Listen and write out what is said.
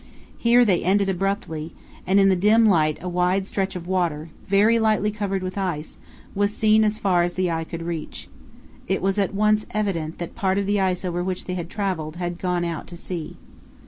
Here they ended abruptly, and in the dim light a wide stretch of water, very lightly covered with ice, was seen as far as the eye could reach. It was at once evident that part of the ice over which they had travelled had gone out to sea.